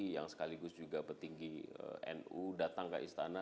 yang sekaligus juga petinggi nu datang ke istana